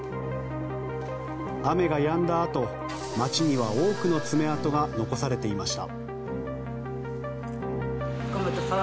雨がやんだあと、街には多くの爪痕が残されていました。